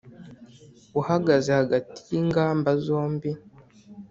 Uhagaze hagati y'ingamba zombi,